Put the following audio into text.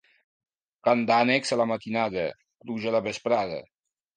Cant d'ànecs a la matinada, pluja a la vesprada.